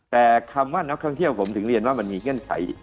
แต่คำว่านักท่องเที่ยวผมถึงเรียนว่ามันมีเงื่อนไข